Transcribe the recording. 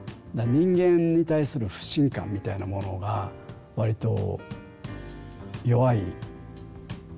人間に対する不信感みたいなものが割と弱い人なのか。